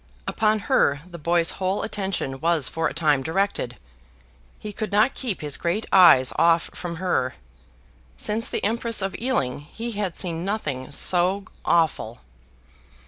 Upon her the boy's whole attention was for a time directed. He could not keep his great eyes off from her. Since the Empress of Ealing, he had seen nothing so awful.